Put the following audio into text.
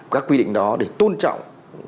các quy định đó để tôn trọng